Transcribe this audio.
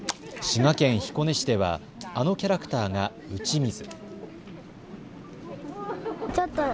滋賀県彦根市ではあのキャラクターが打ち水。